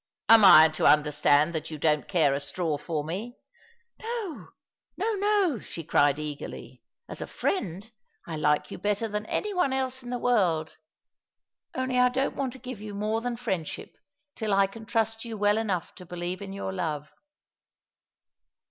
" Am I to understand that you don't care a straw for me ?"" No, no, no," she cried eagerly, " as a friend, I like you butter than any one else in the world ; only I don't want to give you more than friendship till I can trust you weU enough to believe in your love."